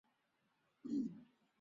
穗高岳附近有新穗高温泉。